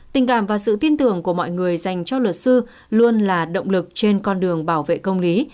tình cảm và sự tin tưởng của mọi người dành cho luật sư luôn là động lực trên con đường bảo vệ công lý